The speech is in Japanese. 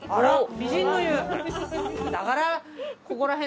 あら。